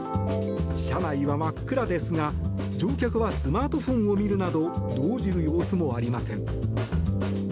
車内は真っ暗ですが乗客はスマートフォンを見るなど動じる様子もありません。